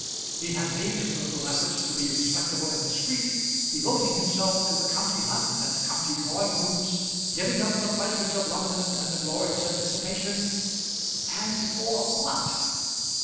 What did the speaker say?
He had made his little effort to be respectable and discreet, devoting himself to the county hunt and county drawing rooms, giving up the pleasures of London and the glories of dissipation. And for what?